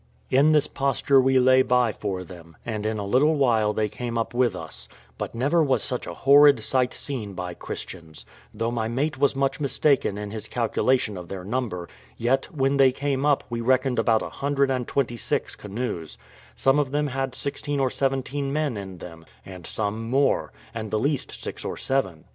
In this posture we lay by for them, and in a little while they came up with us; but never was such a horrid sight seen by Christians; though my mate was much mistaken in his calculation of their number, yet when they came up we reckoned about a hundred and twenty six canoes; some of them had sixteen or seventeen men in them, and some more, and the least six or seven.